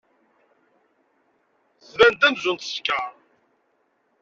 Tban-d amzun teskeṛ.